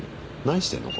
何してんの？